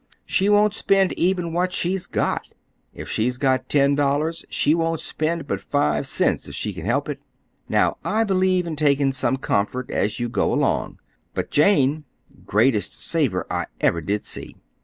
She won't spend even what she's got. If she's got ten dollars, she won't spend but five cents, if she can help it. Now, I believe in taking some comfort as you go along. But Jane—greatest saver I ever did see.